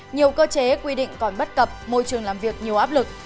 nhiều cơ chế quy định còn bất cập môi trường làm việc nhiều áp lực